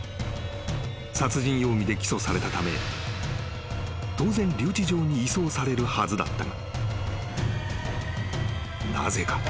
［殺人容疑で起訴されたため当然留置場に移送されるはずだったが］